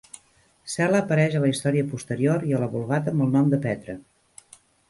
Sela apareix a la història posterior i a la Vulgata amb el nom de Petra.